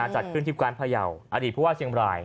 จัดขึ้นที่การพยาวอดีตผู้ว่าเชียงบราย